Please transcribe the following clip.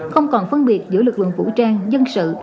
không còn phân biệt giữa lực lượng vũ trang dân sự